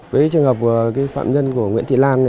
với trường hợp phạm nhân của nguyễn thị lan